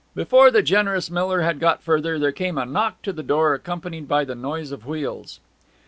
Before the generous Miller had got further there came a knock to the door accompanied by the noise of wheels.